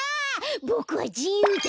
ボクはじゆうだ！